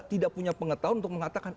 tidak punya pengetahuan untuk mengatakan